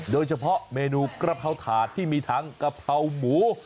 โดยเฉพาะเมนูกระเพราถาดที่มีทั้งกะเพราหมู